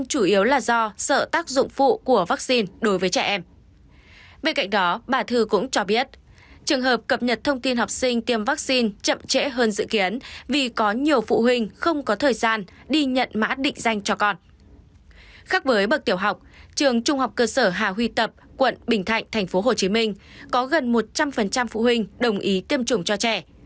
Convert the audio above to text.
cơ sở hà huy tập quận bình thạnh tp hcm có gần một trăm linh phụ huynh đồng ý tiêm chủng cho trẻ